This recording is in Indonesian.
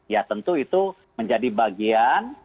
ya tentu itu menjadi bagian